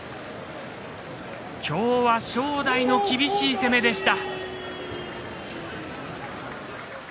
今日は正代が厳しい攻めでした。